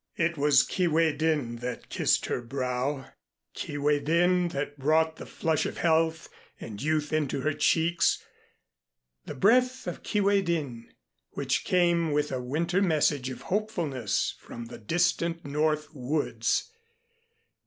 It was Kee way din that kissed her brow, Kee way din that brought the flush of health and youth into her cheeks, the breath of Kee way din which came with a winter message of hopefulness from the distant north woods.